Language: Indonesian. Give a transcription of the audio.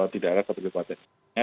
di daerah ketua kepada